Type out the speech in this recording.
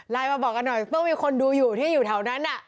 มาบอกกันหน่อยต้องมีคนดูอยู่ที่อยู่แถวนั้น